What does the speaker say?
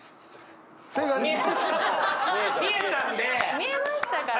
見えましたから。